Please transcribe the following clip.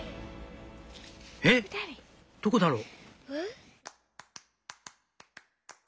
「えっどこだろう？」